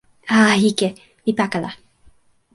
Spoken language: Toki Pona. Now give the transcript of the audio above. a, ike. mi pakala.